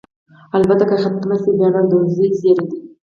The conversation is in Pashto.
البته که ختمه شي، بیا نو د زوی زېری دی.